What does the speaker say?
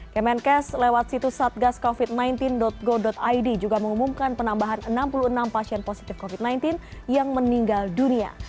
kemenkes lewat situs satgascovid sembilan belas go id juga mengumumkan penambahan enam puluh enam pasien positif covid sembilan belas yang meninggal dunia